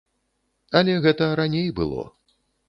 Але гэта раней было.